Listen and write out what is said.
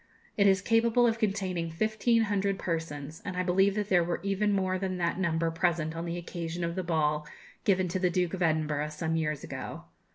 It is capable of containing fifteen hundred persons, and I believe that there were even more than that number present on the occasion of the ball given to the Duke of Edinburgh some years ago.